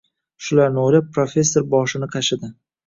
Shularni o`ylab, professor boshini qashidi